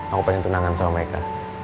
aku pencet unangan sama meike